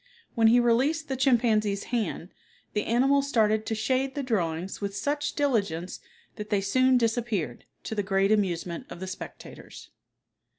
When he released the chimpanzee's hand, the animal started to shade the drawings with such diligence that they soon disappeared, to the great amusement of the spectators.